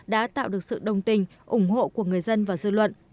đã tạo được sự đồng tình ủng hộ của người dân và dư luận